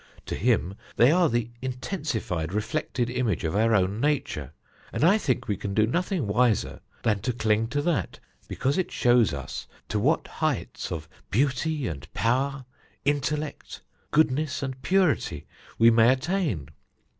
To him they are the intensified, reflected image of our own nature, and I think we can do nothing wiser than to cling to that, because it shows us to what heights of beauty and power, intellect, goodness, and purity we may attain.